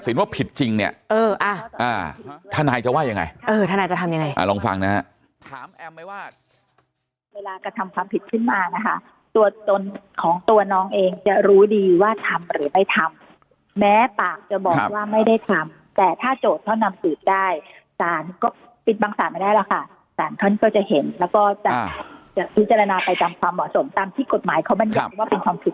สินว่าผิดจริงเนี่ยถ้านายจะว่ายังไงถ้านายจะทำยังไง